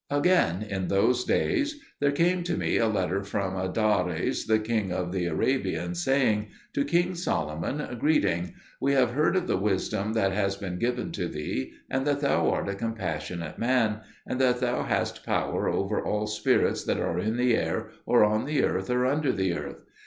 Again, in those days there came to me a letter from Adares the king of the Arabians, saying, "To King Solomon, greeting! We have heard of the wisdom that has been given to thee, and that thou art a compassionate man, and that thou hast power over all spirits that are in the air, or on the earth, or under the earth.